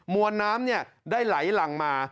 วนน้ำได้ไหลหลั่งมา